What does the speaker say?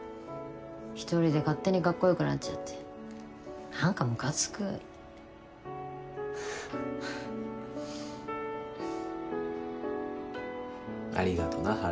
一人で勝手にカッコよくなっちゃって何かムカつくありがとな遥